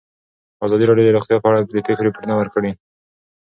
ازادي راډیو د روغتیا په اړه د پېښو رپوټونه ورکړي.